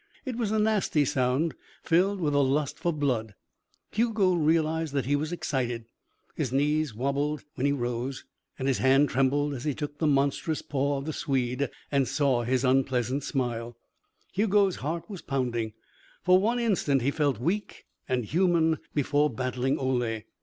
It was a nasty sound, filled with the lust for blood. Hugo realized that he was excited. His knees wabbled when he rose and his hand trembled as he took the monstrous paw of the Swede and saw his unpleasant smile. Hugo's heart was pounding. For one instant he felt weak and human before Battling Ole.